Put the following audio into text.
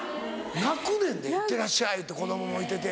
泣くねんで「いってらっしゃい」って子供もいてて。